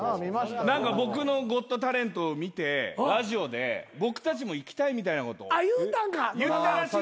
何か僕の『ゴット・タレント』を見てラジオで僕たちも行きたいみたいなこと言ったらしいんですよ。